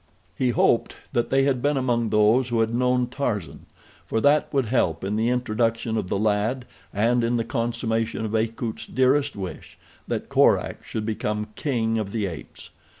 He hoped that they had been among those who had known Tarzan, for that would help in the introduction of the lad and in the consummation of Akut's dearest wish, that Korak should become king of the apes.